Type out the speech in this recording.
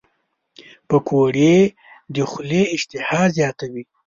پکورې د خولې اشتها زیاتوي